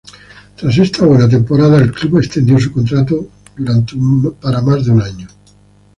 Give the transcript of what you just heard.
Tras esta buena temporada, el club extendió su contrato por un año más.